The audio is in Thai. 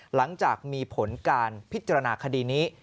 หลังจากมีผลการพิจารณาคดีนี้